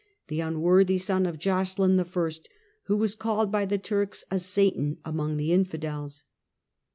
the unworthy son of Joscelin I., who was called by the Turks " a Satan among the infidels."